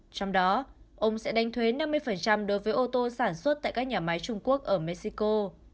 trong đó ông sẽ đánh thuế năm mươi đối với ô tô sản xuất tại các nhà máy trung quốc ở mexico